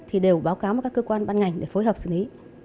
thì đều báo cáo với các cơ quan ban ngành để phối hợp xử lý